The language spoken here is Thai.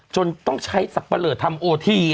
จนต้องใช้สักประเหลิกทำโอทีอ่ะ